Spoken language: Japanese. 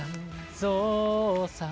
ぞうさん